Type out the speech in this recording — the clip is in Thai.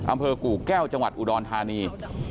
อำเภอกู่แก้วจังหวัดอุดรธานี